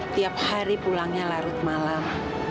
tiap hari pulangnya larut malam